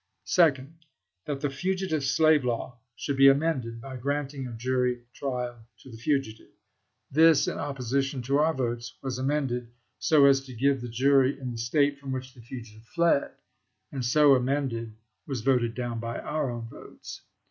Second. That the fugitive slave law should be amended by granting a jury trial to the fugitive. This in opposi tion to our votes was amended so as to give the jury in the State from which the fugitive fled, and so amended was voted down by our own votes.